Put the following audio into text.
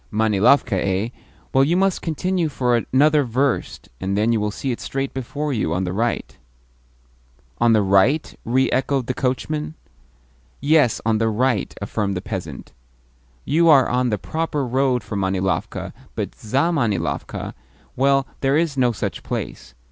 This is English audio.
"Manilovka, eh? Well, you must continue for another verst, and then you will see it straight before you, on the right." "On the right?" re echoed the coachman. "Yes, on the right," affirmed the peasant. "You are on the proper road for Manilovka, but ZAmanilovka well, there is no such place.